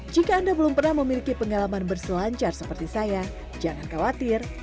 jika anda belum pernah memiliki pengalaman berselancar seperti saya jangan khawatir